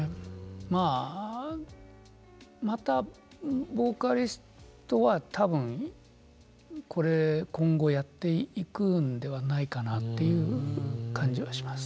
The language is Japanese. まあまた「ＶＯＣＡＬＩＳＴ」は多分これ今後やっていくんではないかなっていう感じはします。